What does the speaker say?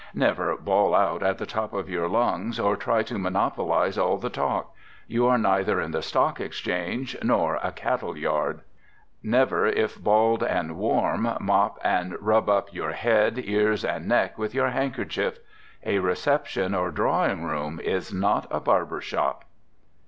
Never bawl out at the top of your lungs, or try to monopolize all the talk; you are neither in the stock exchange nor a cattle yard. Never, if bald and warm, mop and rub up your head, ears and neck with your handkerchief. A reception or drawing room is not a barber shop.